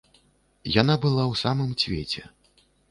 Яна была ў самым цвеце.